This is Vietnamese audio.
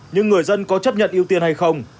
nhưng người dân có chấp nhận ưu tiên hay không